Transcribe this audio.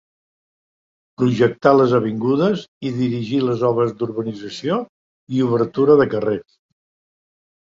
Projectà les avingudes i dirigí les obres d'urbanització i obertura de carrers.